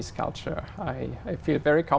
rất tự hào